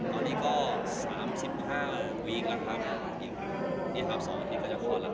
ตอนนี้ก็๓๕วีคละครับอีก๒อาทิตย์ก็จะคลอนแล้วครับ